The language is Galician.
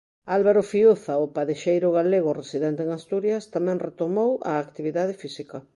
Álvaro Fiuza, o padexeiro galego residente en Asturias, tamén retomou a actividade física...